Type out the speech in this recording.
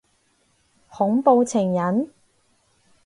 恐怖情人？